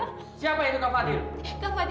siapa itu kak fadil